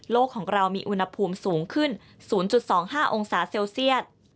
ของเรามีอุณหภูมิสูงขึ้น๐๒๕องศาเซลเซียต